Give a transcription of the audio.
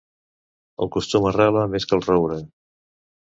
El costum arrela més que el roure.